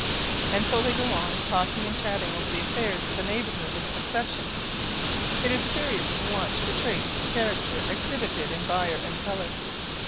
And so they go on, talking and chatting over the affairs of the neighbourhood in succession. It is curious to watch the traits of character exhibited in buyer and seller.